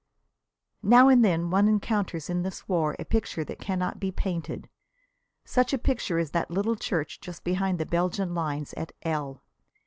Now and then one encounters in this war a picture that cannot be painted. Such a picture is that little church just behind the Belgian lines at L